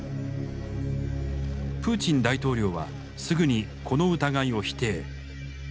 プーチン大統領はすぐにこの疑いを否定。